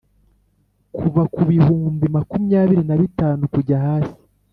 Kuva ku bihumbi makumyabiri na bitanu kujya hasi